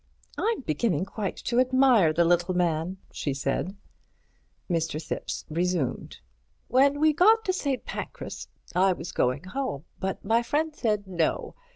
"I'm beginning quite to admire the little man," she said. Mr. Thipps resumed. "When we got to St. Pancras I was going home, but my friend said no.